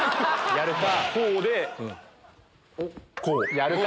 やるか！